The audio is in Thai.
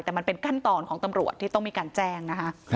แต่มันเป็นขั้นตอนของตำรวจที่ต้องมีการแจ้งนะคะ